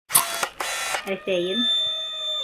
Әсәйем.